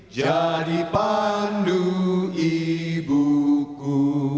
jadi pandu ibuku